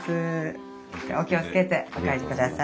お気を付けてお帰りください。